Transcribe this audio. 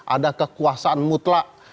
ada kekuasaan mutlak